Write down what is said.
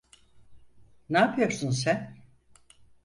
N'apıyorsun sen?